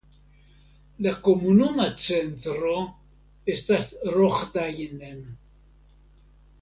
La komunuma centro estas Rohdainen.